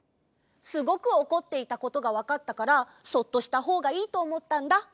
すごくおこっていたことがわかったからそっとしたほうがいいとおもったんだ。